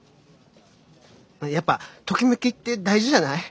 やっぱトキメキって大事じゃない。